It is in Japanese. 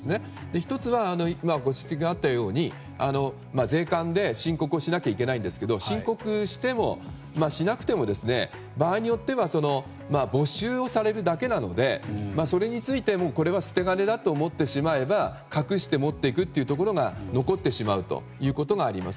１つは今ご指摘があったように税関で申告をしなきゃいけないんですが申告しても、しなくても場合によっては没収をされるだけなのでそれについてこれは捨て金だと思ってしまえば隠して持っていくというところが残ってしまうということがあります。